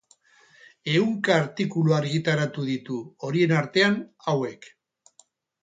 Ehunka artikulu argitaratu ditu, horien artean hauek